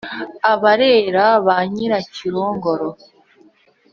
abarera ba nyirakirongoro.